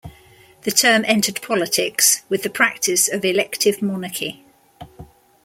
The term entered politics with the practice of elective monarchy.